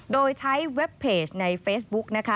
โดยใช้เว็บเพจในเฟซบุ๊กนะคะ